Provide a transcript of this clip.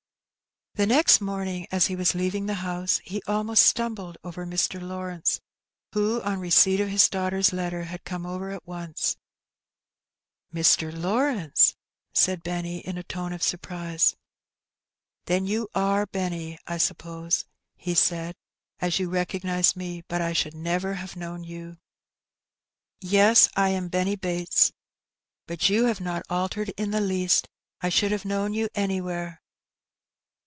The next morning, as he was leaving the house, he ^^most stumbled over Mr. Lawrence, who on receipt of is daughter's letter had come over at once. " Mr. Lawrence !" said Benny, in a tone of surprise. '"Then you are Benny, I suppose," he said, ''as you ^recognize me, but I should never have known you." "Yes, I. am Benny Bates, but you have not altered in the least; I should have known you anywhere."